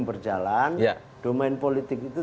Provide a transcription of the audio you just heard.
berjalan domain politik itu